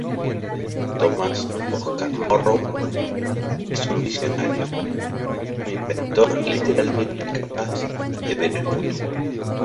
Thomas Oscar Morrow era un visionario, un inventor literalmente capaz de ver el futuro.